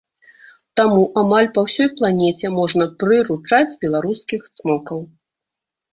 Таму амаль па ўсёй планеце можна прыручаць беларускіх цмокаў.